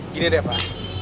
gini deh pak